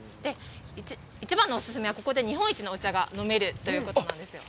一番のお勧めは、ここで日本一のお茶が飲めるということなんですよ。